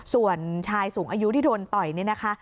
ส่วนชายสูงอายุที่โดนต่อยนี่นะคะ